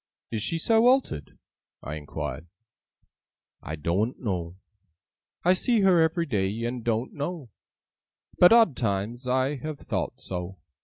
'Is she so altered?' I inquired. 'I doen't know. I see her ev'ry day, and doen't know; But, odd times, I have thowt so.